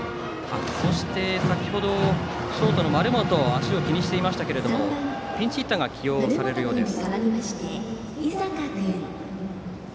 そして先程ショートの丸本足を気にしていましたがピンチヒッターが起用されるようです。